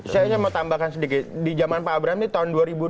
saya mau tambahkan sedikit di zaman pak abraham ini tahun dua ribu dua belas